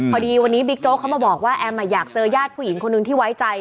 พอดีวันนี้บิ๊กโจ๊กเขามาบอกว่าแอมอยากเจอญาติผู้หญิงคนนึงที่ไว้ใจ